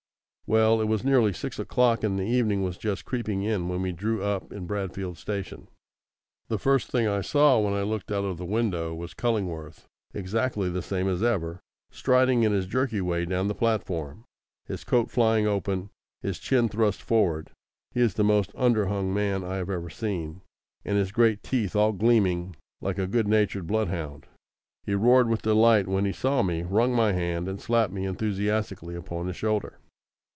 Well, it was nearly six o'clock, and evening was just creeping in when we drew up in Bradfield Station. The first thing I saw when I looked out of the window was Cullingworth, exactly the same as ever, striding in his jerky way down the platform, his coat flying open, his chin thrust forward (he is the most under hung man I have ever seen), and his great teeth all gleaming, like a good natured blood hound. He roared with delight when he saw me, wrung my hand, and slapped me enthusiastically upon the shoulder.